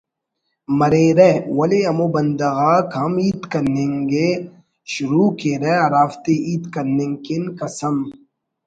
مریرہ ولے ہمو بندغ آک ہم ہیت کننگءِ شروع کیرہ ہرافتے ہیت کننگ کن قسم